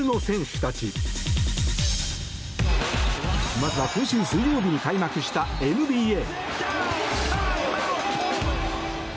まずは今週水曜日に開幕したＮＢＡ。